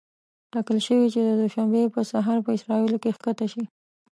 ټاکل شوې چې د دوشنبې په سهار په اسرائیلو کې ښکته شي.